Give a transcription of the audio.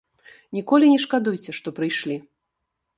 Ніколі не шкадуйце, што прыйшлі.